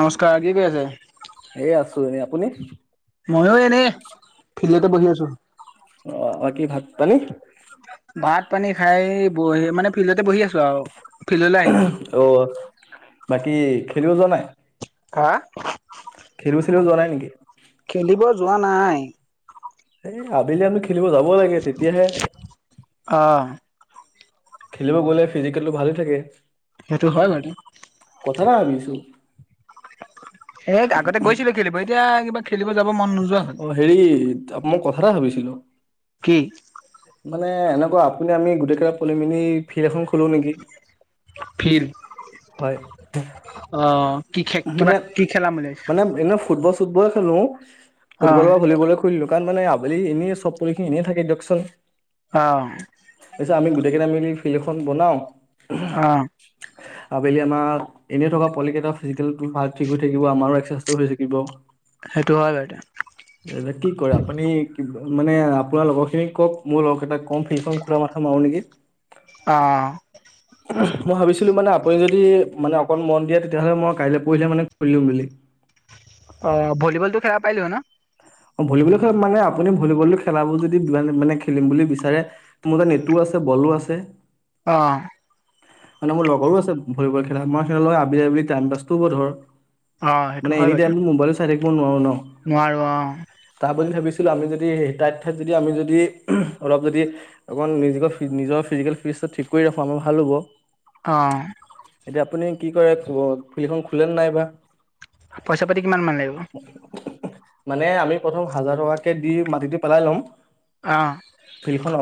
নমস্কাৰ, কি কৰিছে? এ' আছো এনে আপুনি? ময়ো এনে ফিল্ডতে বহি আছো। কালি ভাত পানী খাই বহি মানে ফিল্ডতে বহি আছো আৰু, ফিল্ডলৈ আহিলো। হ। বাকী খেলি ব যোৱা নাই। হা। খেলো চেলিব যোৱা নাই নেকি? খেলিব যোৱা নাই। এই' আবেলি আনো খেলিব যাব লাগে তেতিয়াহে অ খেলিব গলে ফিজিকেল ভালে থাকে। সেইটো হয় বাৰু কথা এটা ভাবিছো [inaudible] এ, আগতে গৈছিলো খেলিব এতিয়া কিবা খেলিব যাব মন নোযোৱা হল। অ হেৰি মই কথা এটা ভাবিছিলো। কি? মানে এনেকুৱা আপুনি আমি গোটেইকেইটা পলি মিলি ফিল এখন খলো নেকি? ফিল হয় অ অ কি খে কিবা মানে কি খেলাম বুলি। ভাবিছ মানে এনে ফুটবল খেলো ফুটবল বা ভলীবলে খুলিলো কাৰণ মানে আবেলি এনে চব পখিনি এনে থাকে দিয়কচোন। অ তাৰপিছত আমি গোটেই কেইটা মিলি ফিল্ড এখন বনাও- অ আবেলি আমাৰ এনেই থকা পলিকেইটা ফিজিকেল ভ ঠিক হৈ থাকিব আমাৰো এক্সাৰচাইজ হৈ থাকিব। সেইটো হয়। এ কি কৰে আপুনিবা মানে আপোনাৰ লগৰ খিনি কওক মোৰ লগৰ কেইটাক কম ফিল্ডখন খোলা মাথা মাৰ- নিকি অ মই ভাবিছিলো মানে আপুনি যদি মানে অকণ মন দিয়ে তেতিয়াহ'লে মই কাইলৈ পৰহিলে মানে খুলি দিম। বুলি অ ভলীবল টো খেলাব পাইলো হয়। ন অ ভলীবলেল মানে আপুনি ভলীবল খেলাব যদি মানে খেলিম বুলি বিচাৰে মোৰ ওচৰত নেটো আছে। বলো আছে অ মানে মোৰ লগৰো আছে। ভলীবল খেলা মই সিহঁতৰ লগত আবেলি আবেলি টাইম পাছটোও' কৰো ধৰ- অ সেইটো হয় বাৰু তাৰ একো নোৱাৰো ন নোৱাৰোঁ অ- তাৰ বদলি ভাবিছিলো আমি যদি তাৰ ঠাইত যদি আমি যদি অলপ যদি অকণমান নি নিজৰ ফ্ৰিজিকেল- ঠিক কৰি ৰাখো আমাৰ ভাল হ'ব। অ এতিয়া আপুনি কি কৰে ফিল্ডখন খোলে নাই বা পইচা পাতি কিমান মান লাগিব। মানে আমি প্ৰথম হাজাৰ টকাকে দি মাটিটো পেলাই ল'ম অ ফিল্ডখন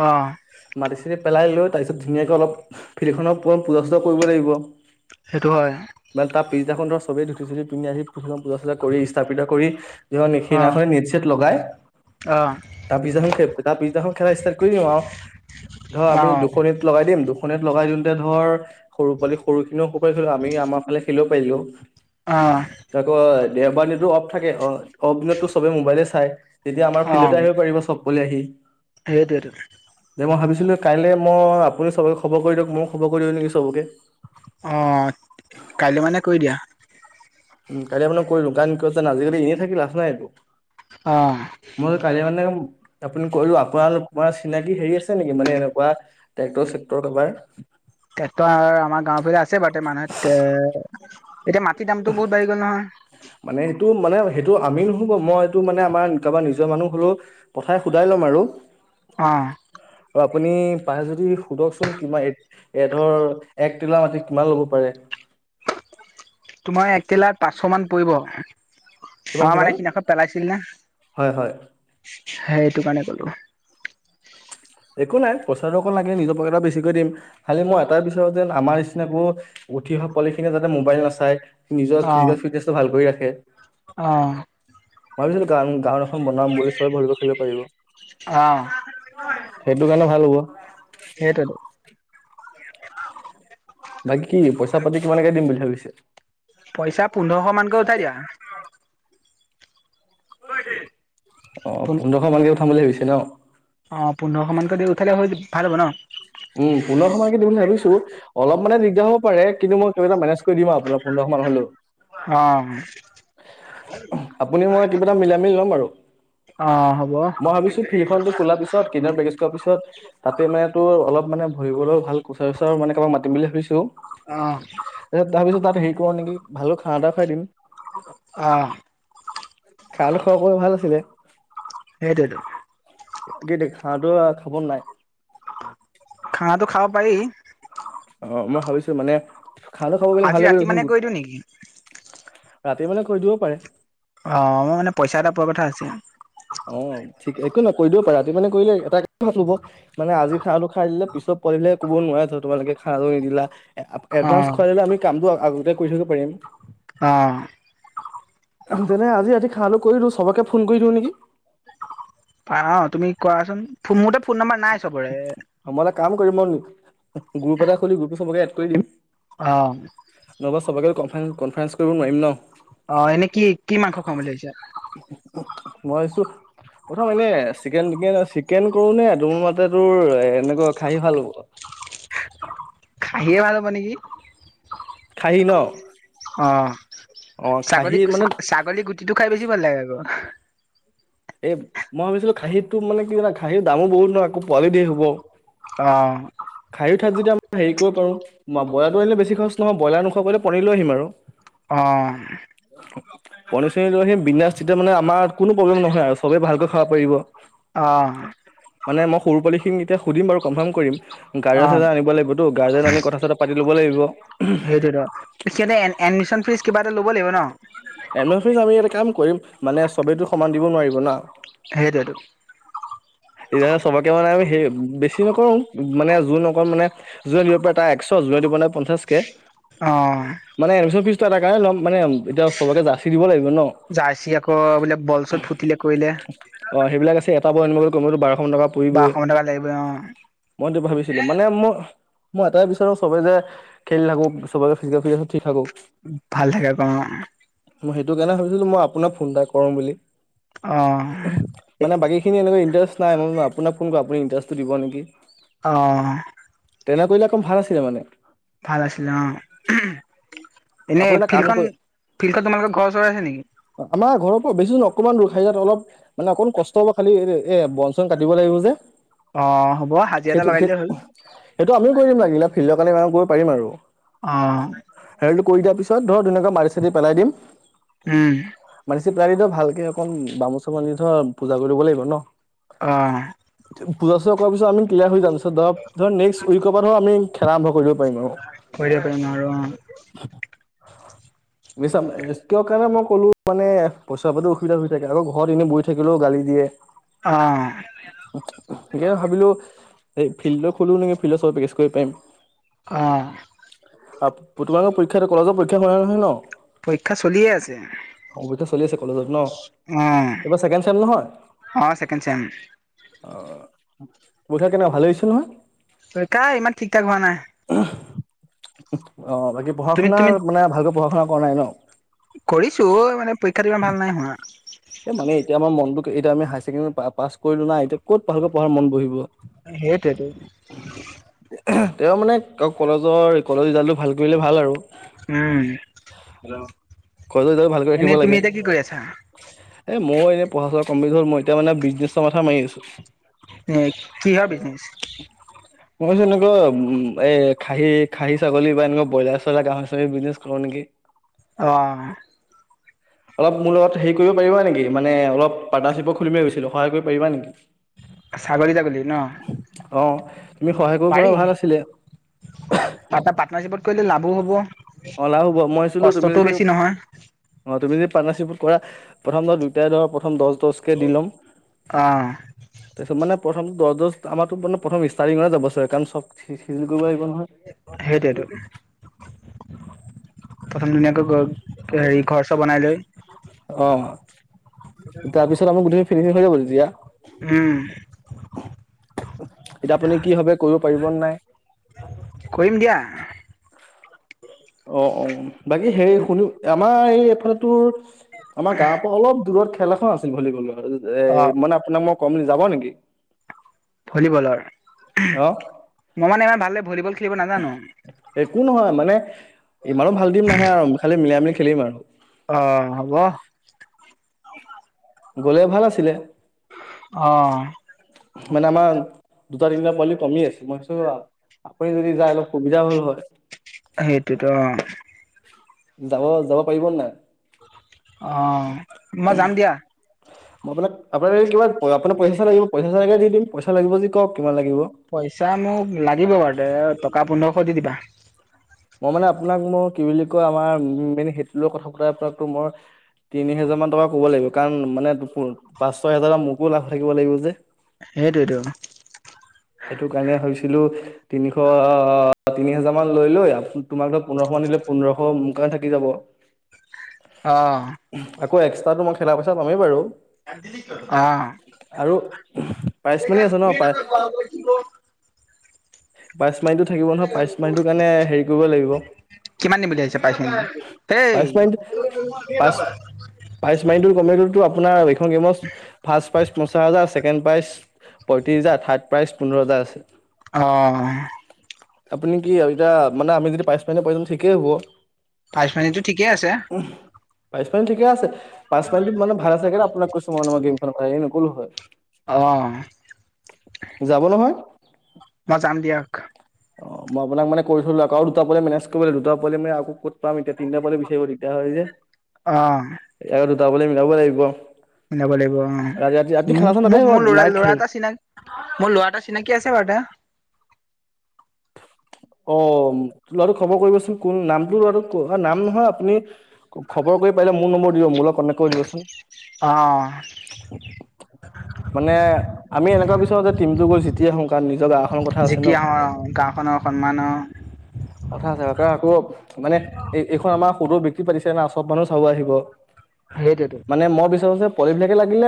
অহ মাটি পেলাই লৈ তাৰপিছত ধুনীয়াকে অলপ ফিল্ডখনৰ পূজা, চুজা কৰিব লাগিব সেইটো হয় মানে তাৰ পিছদিনাখন ধৰা চবেই ধুতি চুতি পিন্ধি আহি পূজা চূজা কৰিছা [unintelligible] কৰি যি অহ সেইদিনাখনে নেট চেট লগাই অহ তা পিছ তা পিছদিনাখন খেলা ষ্টাট কৰি দিওঁ আৰু ধৰ আমি অহ দুশনেট লগাই দিম দুশনেট লগাই দিওঁ তে ধৰ সৰু পলি সৰু খিনিও সুফালে খেলিব আমি আমাৰ ফালে খেলিব পাৰিলো অহ আকৌ দেওবাৰ দিনতো অফ থাকে অ অফ দিনততো চবে মোবাইলে চাই- তেতিয়া আমাৰ অহ ফিল্ডতে আহিব পাৰিব চব কৰি আহি। সেইটোৱেটো দে মই ভাবিছিলোঁ কাইলৈ মই আপুনি চবকে খবৰ কৰি দিয়ক ময়ো খবৰ কৰি দিয়ো নেকি চবকে- অ কাইলৈ মানে কৈ দিয়া। উম কাইলে মানে কৈ দিয়ো কাৰণ আজিকালি এনে থাকি লাভ নাই একো অ মই কালি মানে আপুনি কৈলো আপোনাৰ চিনাকি হেৰি আছে নেকি মানে এনেকুৱা ট্ৰেক্টৰ চেক্টৰ কাৰবাৰ ট্ৰেক্টৰ আমাৰ গাঁওৰ ফালে আছে বাৰু তে মানুহে তে এতিয়া মাটিৰ দামটো বহুত বাঢ়ি গ'ল নহয় মানে সেইটো মানে সেইটো আমি নহ'ব মই এইটো মানে আমাৰ কাৰোবা নিজৰ মানুহ হলো পঠাই সোধাই ল'ম আৰু অহ আৰু আপুনি পাৰে যদি সোধকচোন কিমান এ এ ধৰ এক তিলা মাটি কিমান ল'ব পাৰে তোমাৰ একটিলা পাঁচশ মান পৰিব কিমান আমাৰ কিমান মানে সদিখন পেলাইছিল নে হয় হয় [unintelligible] সেই এইটো কাৰণে ক'লো একো নাই পইচা অকণ লাগে নিজৰ পকেটৰ বেছিকৈ দিম খালি মই এটাই বিচাৰো যেন আমাৰ [unintelligible] আকৌ উঠি অহা পোৱালি খিনিয়ে যাতে মোবাইল নাচায় নিজৰ অহ ফিজিকেল ফিটনেচ টো ভাল কৰি ৰাখে অহ ভাবিছিলো গান গান এখন বনাম বুলি চব ভৰিব খেলিব পাৰিব। অ। সেইটো কাৰণে ভাল হ'ব। [unintelligible] [inaudible] বাকী কি পইচা পাতি কিমানকে দিম বুলি ভাবিছে? পইচা পোন্ধৰশ মানকে উঠাই দিয়া। অ পোন্ধৰশ মানকে উঠাম বুলি ভাবিছে ন? অ পোন্ধৰশ মানকৈ দি উঠালে হৈ ভাল হ'ব ন। উম। পুনৰ সময় দিম বুলি ভাবিছো। অলপ মানে দিগদাৰ হব পাৰে। কিন্তু মই কিবা এটা মেনেজ কৰি দিম আপোনাৰ পোন্ধৰশ মান হলেও। অহ আপুনি মই কিবা এটা মিলাই মেলি লম বাৰু। অহ হ'ব মই ভাবিছো ফিল্ড খনতো খোলা পিছত কেইদিন পেকেজ খোৱা পিছত তাতে মানে তোৰ অলপ [unintelligible] মানে ভৰিবলওঁ ভাল কুচাৰ চুচাৰ মানে কাৰোবাক মাতিম বুলি ভাবিছো। [unintelligible] অ। তাৰ পিছত তাত হেৰি কৰ নেকি, ভাল [unintelligible] খানা এটা খোৱাই দিম। অহ খাল খোৱা কৰ ভাল আছিলে। সেইটোৱেতো গে দেই খানা টো খাব নাই? খানাটো খাব পাৰি। অ মই ভাবিছো মানে, খানা খাব পাৰিলে আজি ভালে ৰাতি বুলি মানে [unintelligible] কৰি দিওঁ নেকি ৰাতি মানে কৰি দিব পাৰে অ মই মানে পইচা এটা পোৱা কথা আছে। অ ঠিক একো নহ কৰি দিব পাৰা তুমি মানে কৰিলে এটা চব কৰিলে কব নোৱাৰা জানো তোমালোকে, খাইয় নিদিলা। অ অদ্ভান্স খুৱাই দিলে আমি কামটো আগতে। [unintelligible] কৰি থব পাৰিম। অ তেনে আজি ৰাতি চালু কৰি দিও। সবকে ফোন কৰি দিওঁ নেকি? আহা তুমি কোৱাচোন। ফোনমোৰতে ফোন নাম্বাৰ নাই চবৰে। মই এটা কাম কৰিম মই। গুৰুপ এটা খুলি গুৰুপটো সবকে এড কৰি দিম। অ নহবা সবকে কনফাৰেন কনফাৰেন্ঞ্চ কৰিব নোৱাৰিম ন। অ এনে কি কি মাংস খুৱাম বুলি ভাবিছা? মই আছো। প্ৰথম এনে চিকেন টিকেন চিকেন কৰো নে? তোৰ মাতে তোৰ এ এনেকুৱা খাই ভাল পাবা। [unintelligible] [inaudible] নিয়া ভাল হ'ব নেকি? সি ন। অ অ খাহী ছাগলী মানে ছাগলী গুটিটো খাই বেছি ভাল লাগে আকৌ। এ মই ভাবিছিলো খাঁহীটো মানে কি জানা খাঁহীৰ দামো বহুত নহয়। আকৌ পোৱালি দিয়ে এহোপাও। [unintelligible] খাই উঠাত যেতিয়া আম সেই কৰিব পাৰো। ম ব্ৰইলাটো আনিলে বেছি খৰছ নহয়। ব্ৰইলাৰ নোখোৱাকৈলে পনিৰ লৈ আহিম আৰু। [unintelligible] অ। পনীৰ চনীৰ লৈ আহিম। বিন্দাস তেতিয়া মানে আমাৰ কোনো প্ৰব্লেম নহয় আৱ চবে ভালকৈ খাব পাৰিব। অহ। মানে মই সৰু পোৱালীখিনি এতিয়া সুধিম বাৰু কনফাৰ্ম কৰিম। গাজা অ চাযা আনিব লাগিবতো। গাজা আনি কথা চথা পাতি লব লাগিব। এডমি্ছন ফিচ কিবা এটা ল'ব লাগিব ন। এন অ চি ত আমি এটা কাম কৰিম। মানে চবেইটো সমান দিব নোৱাৰিব না। সেইটোৱেতো এতিয়া চবকে মানে আমি। সেই বেছি নকৰোঙ। মানে জুন অকল মানে জোনে দিব পাৰে তাৰ একশ। জোনে দিব নাই পঞ্চাশ কে। অ। একশ টকাই ল'ম। মানে এতিয়া সৱকে যাচি দিব লাগিব। ন যাৰছি আকৌ বোলে বল সুত ফুটিলে কৰিলে। খোৱা বোৱা আনিব কমোও বাৰশ মান টকা বা পৰিবই। এশ মান টকা লাগিব অ মই ভাবিছিলো মানে মোৰ। মই এটাই বিচাৰো চবে যে খেলি থাকো। চবৰে ফিজিকেল ফিট ঠিক থাকো। ভাল থাকে, অ সেইটো কাৰণে ভাবিছিলো, মই আপোনাক ফোন এটা কৰো বুলি অ মানে বাকী খিনি এনেকুৱা ইণ্টাৰেষ্ট নাই, মই আপোনাক ফোন কৰো আপুনি ইণ্টাৰেষ্টটো দিব নেকি? অ তেনে কৰিলে অকণ, ভাল আছিলে মানে ভাল আছিলে অ, এনে আপুনি এটা কাম ফিলখন কৰি ফিল্ডখন তোমালোকৰ ঘৰ ওচৰৰ আছে নেকি? আমাৰ ঘৰৰ পৰা বেছি নহয় অকণমান হেৰিয়ত, অলপ মানে অকণ কষ্ট হ'ব খালি, এ বন-চন কাটিব লাগিব যে অ হ'ব হাজিৰা এটা সেইটো, লগাই সেই, দিলে হ'ল সেইটো আমিও কৰি দিম লাগিলে, ফিল্ডৰ কাৰণে আৰু ইমান কৰিব পাৰিম আৰু অ হেৰালটো কৰি দিয়াৰ পিছত, ধৰ ধুনীয়াকে মাটি-চাটি পেলাই দিম। উম পুজাৰীটো ভালকে অকণ বামুণ-চামুণ আনি ধৰ পূজা কৰিব লাগিব ন আহ পূজা-চূজা কৰাৰ পিছত আমি ক্লিয়াৰ হৈ যাম, তাৰপিছত ধৰক-ধৰক নেক্স উইকৰ পৰা ধৰক আমি খেলা আৰম্ভ কৰিলো। কৰি পাৰিম আৰু অ' বুজিছা কিয় কাৰণে মই ক'লো মানে পইচা-পাতি অসুবিধা হৈ থাকে, আকৌ ঘৰত এনেই বহি থাকিলেও গালি দিয়ে। অ সেই ভাবিলো এই ফিল্ডটো খোলো নেকি, ফিল্ডত চব ইউজ কৰিব পাৰিম। অ তোমালোকৰ পৰীক্ষা টো, কলেজৰ পৰীক্ষা হোৱা নাই নহয় ন পৰীক্ষা চলিয়ে আছে। অ, পৰীক্ষা চলি আছে কলেজত ন, অ এইবাৰ ছেকেণ্ড চেম নহয়? অ ছেকেণ্ড চেম অ, পৰীক্ষা কেনেকুৱা ভালে হৈছে নহয়? পৰীক্ষা, ইমান ঠিক-ঠাক হোৱা নাই। অ, বাকী তুমি পঢ়া-শুনা তুমি মানে ভালকৈ পঢ়া-শুনা কৰা নাই ন? কৰিছো অই, মানে পৰীক্ষাত ইমান ভাল নাই হোৱা। এ মানে, এতিয়া আমাৰ মনতো এতিয়া আমাৰ হায়াৰ চেকেণ্ডেৰী পা-পাছ কৰিলো না, এতিয়া ক'ত পাহৰিব পঢ়াৰ মন বহিব? সেইটোৱেতো তেওঁ মানে আকৌ কলেজৰ-কলেজ ৰিজাল্টো ভাল কৰিলে, ভাল আৰু উম কলেজৰ ৰিজাল্ট ভালকে ৰাখিব এনেই তুমি লাগে। এতিয়া কি কৰি আছা এ মই এনেই, পঢ়া-শুনা কম্পলিত হ'ল, মই এতিয়া মানে বিজনেছৰ মাথা মাৰি আছো। এ, কিহৰ বিজনেছ? মই মানে এনেকুৱা, উম এ, খাহী-খাহী ছাগলী বা এনেকুৱা ব্ৰইলাৰ-চইলাৰ, গাহৰি-চাহৰি বিজনেছ কৰো নেকি? অ অলপ মোৰ লগত হেৰি কৰিব পাৰিবা নেকি, মানে অলপ পাৰ্টনাৰশ্বিপো খুলিম বুলি ভাবিছিলোঁ, অলপ সহায় কৰিব পাৰিবা নেকি? ছাগলী তাগলী ন অ, তুমি সহায় কৰিব পৰা, ভাল আছিলে। টা- পাৰ্টনাৰশ্বিপত কৰিলে লাভো হ'ব। অ, লাভ হ'ব, মই ভাবিছিলো তুমি কষ্টটোও যদি, বেছি নহয় অ, তুমি যদি পাটনাৰশ্বিপত কৰা, প্ৰথম দুয়োটাই ধৰক প্ৰথম দহ দচকে দি ল'ম, অ তাৰপাছত মানে প্ৰথমটো দহ-দজ, আমাৰতো মানে প্ৰথম ষ্টাৰ্টিঙৰ হয় যাব চ কাৰণ চব চিজিল কৰিব লাগিব নহয়। সেইটোৱে তো প্ৰথম ধুনীয়াকৈ, ঘৰ, হেৰি ঘৰ-চৰ বনাই লৈ অ তাৰপিছত আমাৰ গোটেই, ফিৰি হৈ যাব তেতিয়া উম এতিয়া আপুনি কি ভাবে, কৰিব পাৰিব নাই? কৰিম দিয়া অ-অ, বাকী সেই শুনি আমাৰ এই এইফালেতো, আমাৰ গাঁৱৰ পৰা অলপ দূৰত খেল এখন আছিল ভলীবলৰ। এ, অ মানে আপোনাক মই কম যাব নেকি? ভলীবলৰ, অ মই মানে ইমান ভালকে ভলীবল খেলিব নাজানো। একো নহয় মানে, ইমানো ভাল টিম নাহে আৰু খালি মিলাই-মেলি খেলিম আৰু অহ হ'ব। গ'লে ভাল আছিলে। অ। মানে আমাৰ দুটা তিনিটা পোৱালি কমি আছে মই ভাবিছো আপুনি যদি যায় অলপ সুবিধা হল হয়। সেইটোৱেতো অ। যাব যাব পাৰিব নাই। অ মই যাম দিয়া। মই আপোনাক আপোনাক কিবা আপোনাৰ পইচা চা লাগিব পইচা চা লাগে দিম পইচা লাগিব যদি কওক। কিমান লাগিব পইচা মোক লাগিব বাৰু দে টকা পোন্ধৰশ দি দিবা। মই মানে আপোনাক মোক কি বুলি কয় আমাৰ মেইন সেইটো লগত কথা পতাই আপোনাকো মই তিনি হোজাৰ মান টকা কব লাগিব কাৰণ মানে পাঁচ ছয় হজাৰত মোকো লাভ থাকিব লাগিব যে। সেইটোৱেতো এইেটো কাৰণে ভাবিছিলো তিনিশ তিনি হাজাৰ মান লৈ লৈ তোমাক ধৰ পোন্ধৰশ মান দিলে পোন্ধৰশ মোৰ কাৰণে থাকি যাব। অহ। আকৌ এক্সট্ৰাটো মই খেলা পইচা মই পামে বাৰু। অ আৰু প্ৰাইজমণি আছে ন পাই প্ৰাইজ মানিটো থাকিব নহয় প্ৰাইজ মানিটো কাৰণে হেৰি কৰিব লাগিব কিমান নিম বুলি আহিছে পাইছে এ ইেই। পাইচ মাৰিটো কমেও গলতো আপোনাৰ এইখন গেমৰ ফাৰ্ষ্ট প্ৰাইজ পঞ্চাছ হাজাৰ ছেকেণ্ড প্ৰাইজ পঁয়ত্ৰিছ হাজাৰ থাৰ্ড প্ৰাইজ পোন্ধৰটা আছে। অ। আপুনি কি এতিয়া মানে আমি যদি পাইচ মিনিৰ পৰ্যন্ত ঠিকেই হ'ব। প্ৰাইজ মানিটো ঠিকেই আছে। প্ৰাইজ মানি ঠিকে আছে প্ৰাইজ মানিটো ভাল আছে কাৰণে আপোনাক কৈছো মই গেমখন এনে নকলো হয় অ', যাব নহয়। মই যাম দিয়ক অ মই আপোনাক মানে কৰি থলো আ আৰু দুটা পালি মেনেজ কৰিব লো দুটা পাল মে আক ক'ত। পাম এতিয়া তিনটা পোৱালি বিচাৰিব তেতিয়া হয় যে অ', আকৌ দুটা পোৱালি মিলাব লাগিব। মিলাব লাগিব ৰাতি ৰাতি ৰাতি অ খানা চানা তাতে মোক হ'ব মোৰ লৰা নাইট লৰা খেল এটা চিনাকি। মোৰ ল'ৰা এটা চিনাকি আছে বাৰু এটা। অ ল'ৰাটো খবৰ কৰিবচোন কোন নামটো লৰা নাম নহয় আপুনি খবৰ কৰি পাইলে মোৰ নম্বৰ দিব মোলে কনটেক কৰিব চোন অ', মানে আমি এনেকোৱা কিছু টিমটো গৈ জিকি আহো কাৰণ নিজ গা জিকি আহো অ গাঁওখনৰ সন্মানৰ কথা আছে কাৰণ আকৌ মানে এই এইখন আমাৰ সদৌ ব্যক্তি পাতিছে না চব মানুহ চাবও আহিব সেইটোৱেতো মানে মই বিচাৰো যে পলিবিলাকে লাগিলে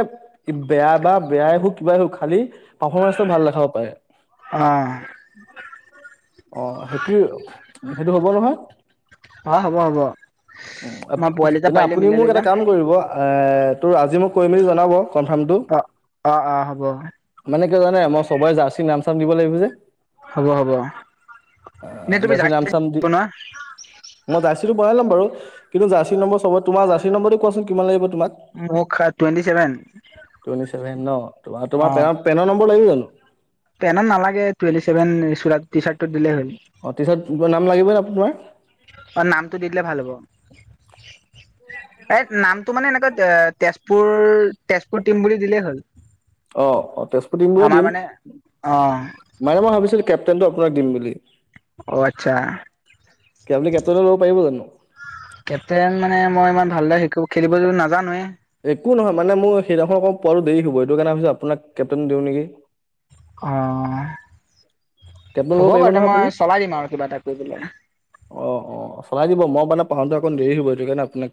বেয়া বা বেয়াই হওঁক কিবাই হুক খালী। পাৰফৰ্মেঞ্চটো ভাল দেখাব পাৰে অ', অ সেইটোৱ। সেইটো হ'ব নহয়। অ', হ'ব হ'ব মই পোৱালি এটা তেনে পাৰিলে আপুনি মিলাই মোক লৈ এটা যাম কাম কৰিব। তোৰ আজি মোক কৈ মেলি জনাব। কনফাৰ্মটো। অ অ অ হ'ব। মানে জানে মই সবাই জাৰ্চি নাম চাম দিব লাগিব যে। হ'ব হ'ব। তুমি দাৰ্চি নাম জাৰ্চি চাম দি বনোৱা মই দাৰ্চিটো বনাই লাম বাৰু। কিন্তুা জাৰচি নম্বৰব চব তোমাৰ জাৰি নম্বৰ টো কিমান লাগিব। তোমাক মোক টুৱেণ্টি চেভেন টুৱেন্টি ছেভেন ন ত তোমাৰ অ', পেনৰ পেনৰ নম্বৰ লাগিব জানো। [unintelligible] পেনত নালাগে টুৱেন্টি চছেভেন চ টি চাৰ্টো দিলে হ'ল। [unintelligible] অ তিছাট নাম লাগিবনে তোমাৰ। অ নামটো দি দিলে ভাল হ'ব। এই নামটো মানে এনেকুৱা এ তেজপুৰ তেজপুৰ টিম বুলি দিলেই হ'ল। অ অ তেজপুৰ বুলি আমাৰ দিম মানে অ মানে মই ভাবিছিলো কে ন্তটো আপোনাক দিম বুলি। [unintelligible] অ আচ্ছা। কে আপনি কেপচনে ল'ব পাৰিব জানো। কেপ্টেইন [unintelligible] মানে মই ইমান ভালদৰে একো খেলিবলৈ নাজানোৱে। একো নহয় মানে মোৰ সেইদিনাখখন অক পোৱাটো দেৰি হ'ব এইটো কাৰণে ভাবিছ আপোনাক কেপটেইন দিওঁ নেকি। [unintelligible] অ কেপ্টেইন ল'ব হ'ব পাৰিব বাৰু দে নহয় আপুনি? মই চলাই দিম আৰু কিবা এটা কৰি পেলাই। অ' অ' চলাই দিব মই মানে প্ৰথমতে অকণ দেৰি হব সেইটো কাৰণে আপোনাক